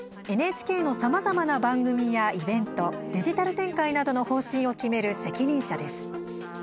ＮＨＫのさまざまな番組やイベント、デジタル展開などの方針を決める責任者です。